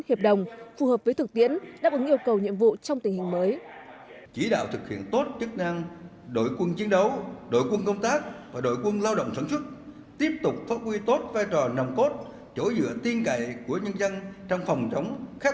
hiệp đồng phù hợp với thực tiễn đáp ứng yêu cầu nhiệm vụ trong tình hình mới